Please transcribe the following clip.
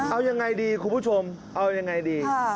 เอายังไงดีคุณผู้ชมเอายังไงดี